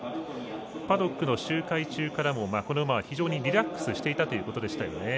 パドックの周回中からもこの馬は非常にリラックスしていたということですよね。